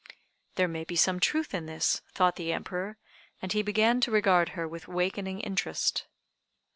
"There may be some truth in this," thought the Emperor, and he began to regard her with awakening interest.